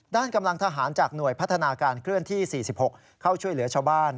ด้านกำลังทหารจากหน่วยพัฒนาการเคลื่อนที่๔๖เข้าช่วยเหลือชาวบ้าน